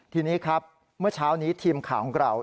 ทีนี้ครับเมื่อเช้านี้ทีมข่าวของเรา